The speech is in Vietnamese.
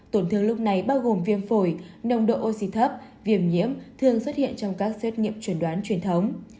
tổn thương lúc này bao gồm viêm phổi nồng độ oxy thấp viêm nhiễm thường xuất hiện trong các xét nghiệm chuẩn đoán truyền thống